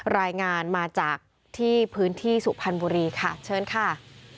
รายงานมาจากที่พื้นที่สุพรรณบุรีค่ะเชิญค่ะ